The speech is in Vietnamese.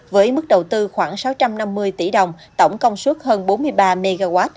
với mức đầu tư khoảng sáu trăm năm mươi tỷ đồng tổng công suất hơn bốn mươi ba mw